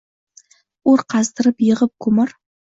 O‘r qazdirib, yig‘ib, ko‘mar